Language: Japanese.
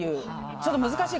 ちょっと難しい！